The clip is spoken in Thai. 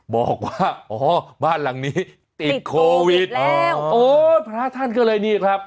บอกว่าอ๋อบ้านหลังนี้ติดโควิดแล้วโอ้ยพระท่านก็เลยนี่ครับ